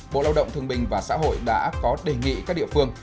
bộ lao động thương bình và xã hội đã có đề nghị các địa phương